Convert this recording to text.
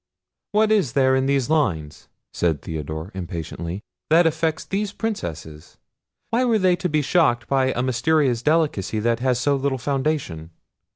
"What is there in these lines," said Theodore impatiently, "that affects these Princesses? Why were they to be shocked by a mysterious delicacy, that has so little foundation?"